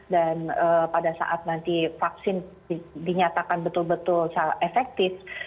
dan pada saat nanti vaksin dinyatakan betul betul efektif